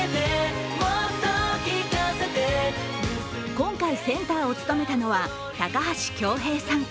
今回、センターを務めたのは高橋恭平さん。